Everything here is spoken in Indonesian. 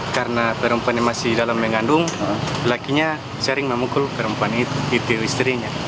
karena perempuan yang masih dalam mengandung lakinya sering memukul perempuan itu istrinya